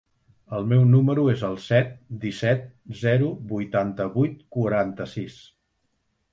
El meu número es el set, disset, zero, vuitanta-vuit, quaranta-sis.